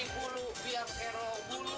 baik buat ambulan